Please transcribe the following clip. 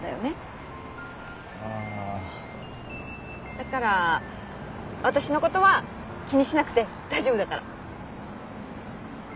だから私のことは気にしなくて大丈夫だから。